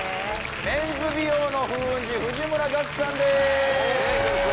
メンズ美容の風雲児藤村岳さんです。